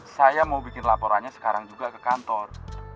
saya mau bikin laporannya sekarang juga ke kantor